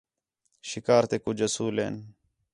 شِکار تے کُج اُصول ہین